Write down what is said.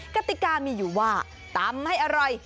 กติกามีอยู่ว่าตำให้อร่อย